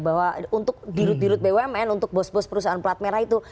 bahwa untuk dirut dirut bumn untuk bos bos perusahaan pelat merah itu